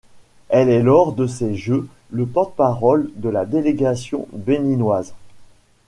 Elle est lors de ces Jeux le porte-drapeau de la délégation béninoise.